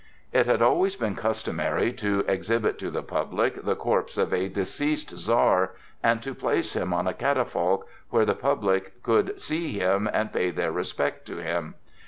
It had always been customary to exhibit to the public the corpse of a deceased Czar and to place him on a catafalque where the people could see him and pay their respect to him.